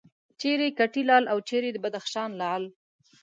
چیرې کټې لال او چیرې د بدخشان لعل.